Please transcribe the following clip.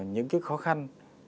những cái khó khăn